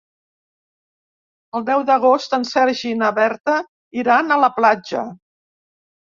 El deu d'agost en Sergi i na Berta iran a la platja.